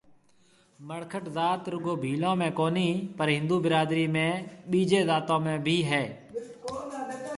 مڙکٽ ذات رُگو ڀيلون ۾ ڪونِي پر هندو برادرِي ۾ ٻِيجِي ذاتون ۾ بهيَ هيَ